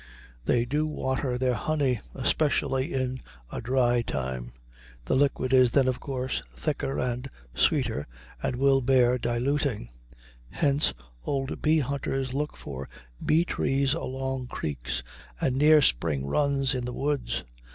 They do water their honey, especially in a dry time. The liquid is then of course thicker and sweeter, and will bear diluting. Hence old bee hunters look for bee trees along creeks and near spring runs in the woods.